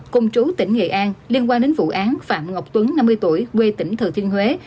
cùng chú tỉnh nghệ an liên quan đến vụ án phạm ngọc tuấn năm mươi tuổi quê tỉnh thừa thiên huế